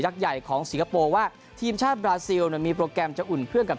ใหญ่ของสิงคโปร์ว่าทีมชาติบราซิลมีโปรแกรมจะอุ่นเครื่องกับ